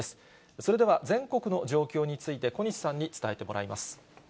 それでは、全国の状況について、小西さんに伝えてもらいます。